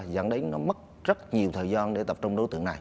dạng đấy nó mất rất nhiều thời gian để tập trung